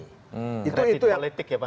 kredit politik ya pak